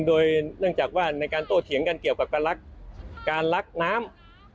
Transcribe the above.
โดยเนื่องจากว่าในการโต้เถียงกันเกี่ยวกับการลักน้ำ